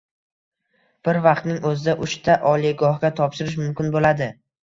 Bir vaqtning oʻzida uchta ta oliygohga topshirish mumkin boʻladi.